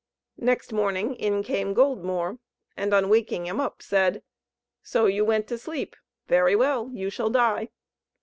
Next morning in came Goldmore, and on waking him up said: "So you went to sleep! Very well, you shall die!"